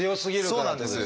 そうなんです。